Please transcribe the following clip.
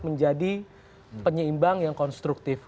menjadi penyeimbang yang konstruktif